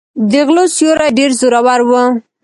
د غلو سیوری ډېر زورور و.